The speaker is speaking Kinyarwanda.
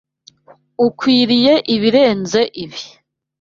Ukwiriye ibirenze ibi.